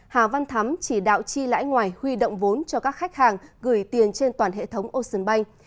hà văn thắm chỉ đạo chi lãi ngoài huy động vốn cho các khách hàng gửi tiền trên toàn hệ thống ocean bank